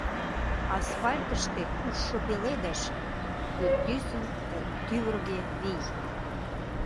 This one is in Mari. Асфальтыште кушшо пеледыш, Пӱртӱсын эн тӱвыргӧ вий.